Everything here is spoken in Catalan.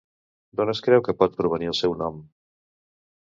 D'on es creu que pot provenir el seu nom?